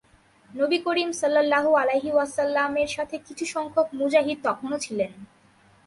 নবী করীম সাল্লাল্লাহু আলাইহি ওয়াসাল্লাম-এর সাথে কিছু সংখ্যক মুজাহিদ তখনও ছিলেন।